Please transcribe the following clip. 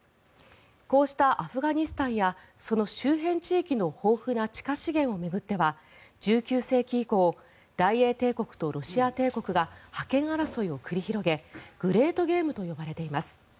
こうしたアフガニスタンやその周辺地域の豊富な地下資源を巡っては１９世紀以降大英帝国とロシア帝国が覇権争いを繰り広げグレート・ゲームと呼ばれています。